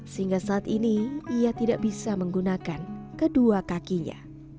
sehingga saat ini ia tidak bisa menggunakan kedua kakinya